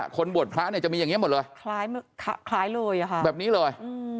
คนบวชพระเนี่ยจะมีอย่างนี้หมดเลยคล้ายเลยอะค่ะแบบนี้เลย